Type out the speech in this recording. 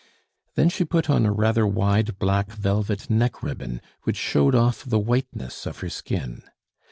Then she put on a rather wide black velvet neck ribbon, which showed off the whiteness of her skin.